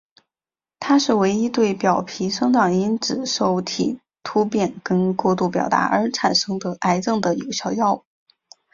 它是唯一对表皮生长因子受体突变跟过度表达而产生的癌症的有效药物。